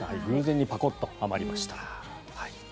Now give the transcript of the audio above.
偶然にパコッとはまりました。